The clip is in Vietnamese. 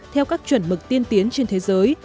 theo các chuẩn mực tiên tiến trên thế giới